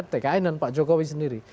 tkn dan pak jokowi sendiri